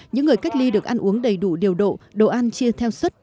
những người cách ly được ăn uống đầy đủ điều độ đồ ăn chia theo xuất